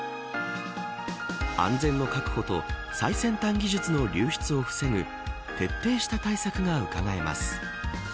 安全の確保と最先端技術の流出を防ぐ徹底した対策がうかがえます。